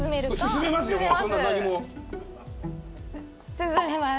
進めます。